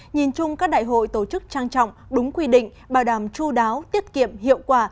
nhìn chung các đại hội tổ chức trang trọng đúng quy định bảo đảm chú đáo tiết kiệm hiệu quả